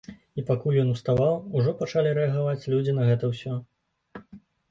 І пакуль ён уставаў, ужо пачалі рэагаваць людзі на гэта ўсё.